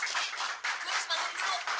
gue gak ada yang mau